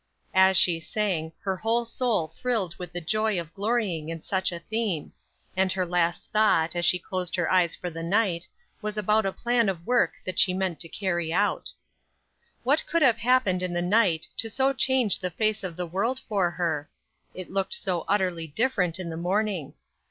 As she sang, her whole soul thrilled with the joy of glorying in such a theme, and her last thought, as she closed her eyes for the night, was about a plan of work that she meant to carry out. What could have happened in the night to so change the face of the world for her! It looked so utterly different in the morning.